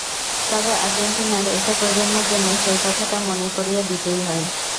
তবে আর্জেন্টিনার একটা প্রজন্মের জন্য সেই কথাটা মনে করিয়ে দিতেই হয়।